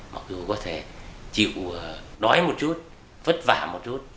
mặc dù có thể chịu đói một chút vất vả một chút